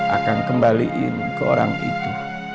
akan kembaliin ke orang itu